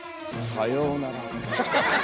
さようなら。